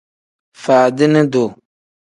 Faadini duu.